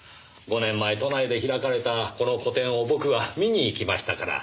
５年前都内で開かれたこの個展を僕は見に行きましたから。